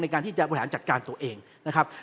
ในการที่จะบริหารจัดการตัวเองนะครับ